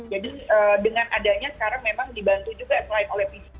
jadi dengan adanya sekarang memang dibantu juga selain oleh pcr juga